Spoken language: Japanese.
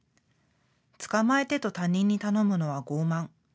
捕まえてと他人に頼むのは傲慢。